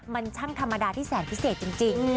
มันช่างธรรมดาที่แสนพิเศษจริง